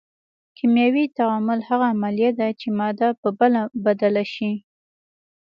کیمیاوي تعامل هغه عملیه ده چې ماده په بله بدله شي.